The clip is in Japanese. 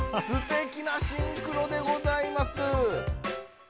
すてきなシンクロでございます。